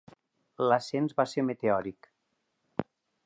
L'ascens va ser meteòric.